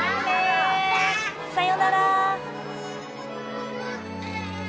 さようなら。